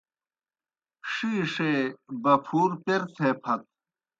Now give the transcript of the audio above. ݜِیݜے بپُھور پیر تھے پھت۔